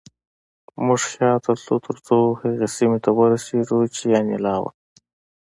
موږ شاته تلو ترڅو هغې سیمې ته ورسېدم چې انیلا وه